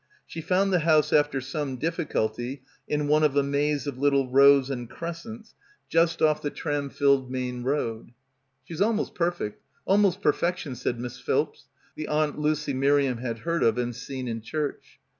She found the house after some difficulty in one of a maze of little rows and crescents just off the tram filled main road. "She's almost perfect — almost — 188 — BACKWATER perfection,' ' said Mrs. Philps, the Aunt Lucy Miriam had heard of and seen in church.